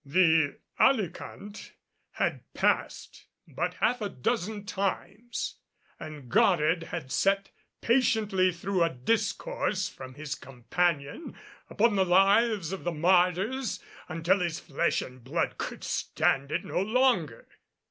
The alicant had passed but half a dozen times and Goddard had sat patiently through a discourse from his companion upon the lives of the martyrs until his flesh and blood could stand it no longer.